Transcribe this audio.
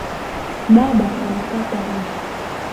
Baba anakata mti